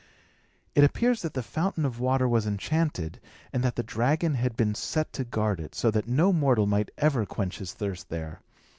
It appears that the fountain of water was enchanted, and that the dragon had been set to guard it, so that no mortal might ever quench his thirst there.